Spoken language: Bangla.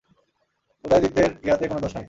উদয়াদিত্যের ইহাতে কোন দোষ নাই।